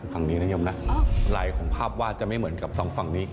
ฝั่งนี้นะยมนะลายของภาพวาดจะไม่เหมือนกับสองฝั่งนี้